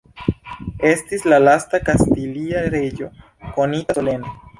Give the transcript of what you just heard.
Estis la lasta kastilia reĝo kronita solene.